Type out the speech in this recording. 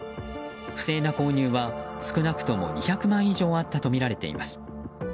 不正な購入は、少なくとも２００枚以上あったとみられています。